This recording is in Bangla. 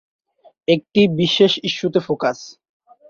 একটি বিশেষ ইস্যুতে ফোকাস।